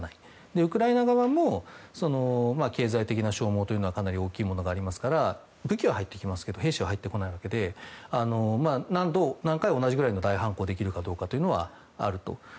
ウクライナ側も経済的な消耗はかなり大きいものがありますから武器は入ってきますけど兵士は入ってこないわけで何回、同じくらいの大反抗をできるくらいはあると。